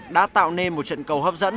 đã tạo nên một trận cầu hấp dẫn